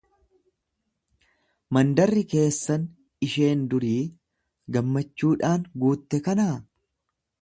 Mandarri keessan isheen durii gammachuudhaan guutte kanaa?